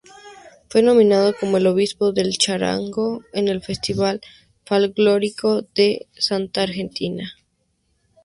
Fue nominado como ‘El obispo del charango’ en el festival Folklórico de Salta, Argentina.